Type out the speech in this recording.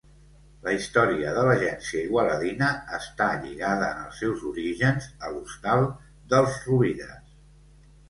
La història de l'Agència Igualadina està lligada en els seus orígens a l'hostal dels Rovires.